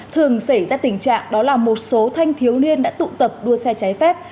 thường xảy ra tình trạng đó là một số thanh thiếu niên đã tụ tập đua xe cháy phát